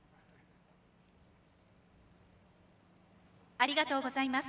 ありがとうございます。